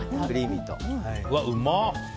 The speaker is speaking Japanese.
うわ、うまい。